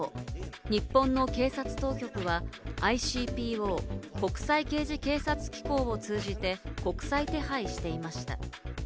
日本の警察当局は、ＩＣＰＯ＝国際刑事警察機構を通じて国際手配していました。